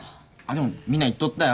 でもみんな言っとったよ